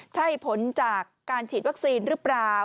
ใช่ผลจากการฉีดวัคซีนหรือเปล่า